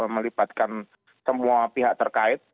melibatkan semua pihak terkait